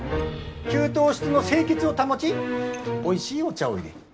給湯室の清潔を保ちおいしいお茶をいれ。